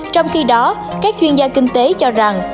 trong khi đó các chuyên gia kinh tế cho rằng